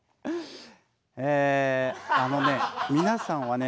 えあのね皆さんはね